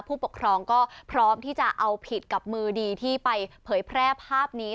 ผู้ปกครองก็พร้อมที่จะเอาผิดกับมือดีที่ไปเผยแพร่ภาพนี้